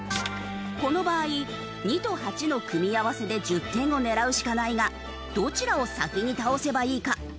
この場合２と８の組み合わせで１０点を狙うしかないがどちらを先に倒せばいいか？